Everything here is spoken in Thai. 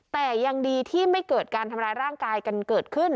แต่ยังดีที่ไม่เกิดการทำร้ายร่างกายกันเกิดขึ้น